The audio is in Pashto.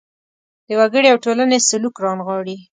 د وګړي او ټولنې سلوک رانغاړي.